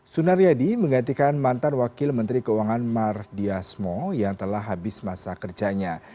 sunaryadi menggantikan mantar wakil menteri keuangan mar diasmo yang telah habis masa kerjanya